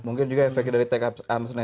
mungkin juga efek dari take up amsen